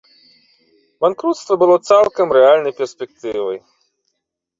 Банкруцтва было цалкам рэальнай перспектывай.